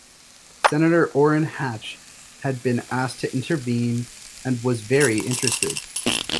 Senator Orrin Hatch had been asked to intervene and was "very interested".